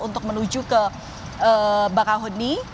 untuk menuju ke bakahuni